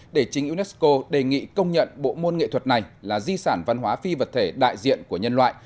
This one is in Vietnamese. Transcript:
để chính unesco đề nghị công nhận bộ môn nghệ thuật này là di sản văn hóa phi vật thể đại diện của nhân loại